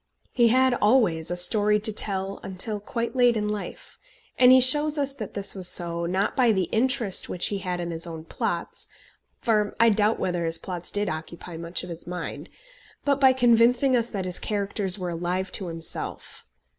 He had always a story to tell until quite late in life; and he shows us that this was so, not by the interest which he had in his own plots, for I doubt whether his plots did occupy much of his mind, but by convincing us that his characters were alive to himself.